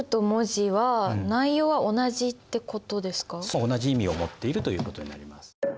そう同じ意味を持っているということになります。